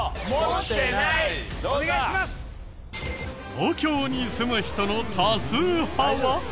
東京に住む人の多数派は。